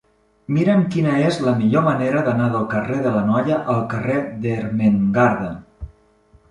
Mira'm quina és la millor manera d'anar del carrer de l'Anoia al carrer d'Ermengarda.